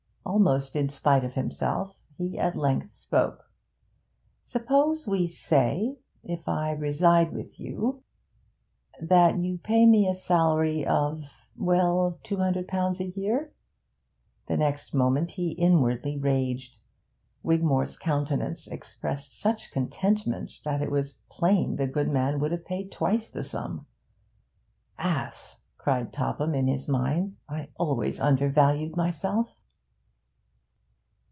Almost in spite of himself, he at length spoke. 'Suppose we say if I reside with you that you pay me a salary of, well, £200 a year?' The next moment he inwardly raged. Wigmore's countenance expressed such contentment, that it was plain the good man would have paid twice that sum. 'Ass!' cried Topham, in his mind. 'I always undervalue myself.'